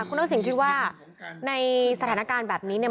คุณทักษิณคิดว่าในสถานการณ์แบบนี้เนี่ย